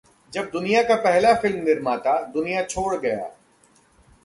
जब दुनिया का पहला फिल्म निर्माता दुनिया छोड़ गया...